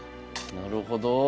なるほど。